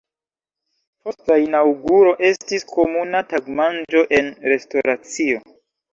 Post la inaŭguro estis komuna tagmanĝo en restoracio.